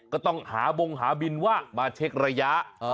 ก็ต้องหาบงหาบินว่ามาเช็กระยะ